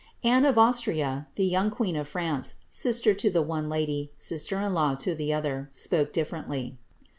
Anne of Austria, the young queen of France, (sister to the one lady, and sister* in law to the other,) spoke diflerently.